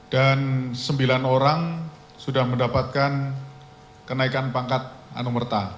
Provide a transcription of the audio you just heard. dan sembilan orang sudah mendapatkan kenaikan pangkat anumerta